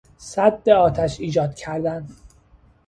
سد آتش ایجاد کردن